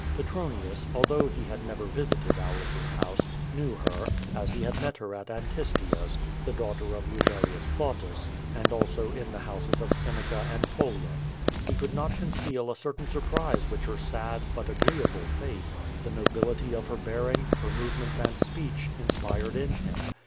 Petronius, although he had never visited Aulus's house, knew her, as he had met her at Antistia's, the daughter of Rubelius Plautus, and also in the houses of Seneca and Polion. He could not conceal a cer tain surprise which her sad, but agreeable face, the nobility of her bearing, her movements and speech, inspired in him.